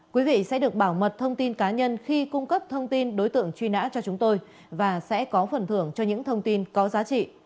quý vị sẽ được bảo mật thông tin cá nhân khi cung cấp thông tin đối tượng truy nã cho chúng tôi và sẽ có phần thưởng cho những thông tin có giá trị